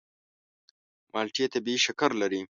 مالټې طبیعي شکر لري.